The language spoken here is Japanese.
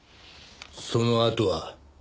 そのあとは？